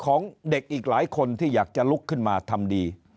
ของเด็กอีกหลายคนที่อยากจะลุกขึ้นมาทำดี